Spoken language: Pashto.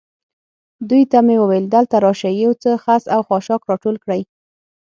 دوی ته مې وویل: دلته راشئ، یو څه خس او خاشاک را ټول کړئ.